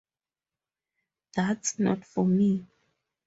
That's not for me.